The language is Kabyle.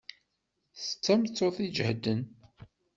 D tameṭṭut iǧehden.